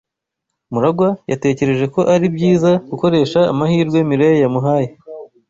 MuragwA yatekereje ko ari byiza gukoresha amahirwe Mirelle yamuhaye.